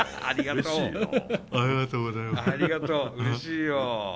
ありがとううれしいよ！